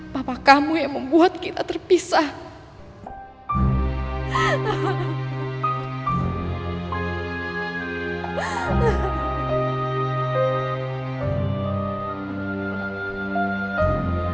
papa kamu yang membuat kita terlalu besar